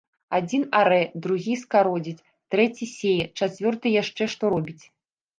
Адзін арэ, другі скародзіць, трэці сее, чацвёрты яшчэ што робіць.